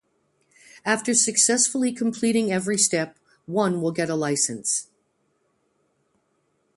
After successfully completing every step one will get license.